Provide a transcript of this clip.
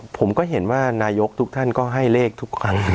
ผมก็เห็นว่านายกทุกท่านก็ให้เลขทุกครั้ง